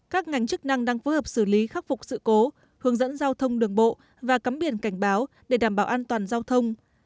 các ngành chức năng đang phối hợp xử lý khắc phục sự cố hướng dẫn giao thông đường bộ và cắm biển cảnh báo để đảm bảo an toàn giao thông